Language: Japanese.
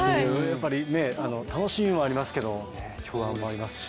やっぱり楽しみもありますけど不安もありますし。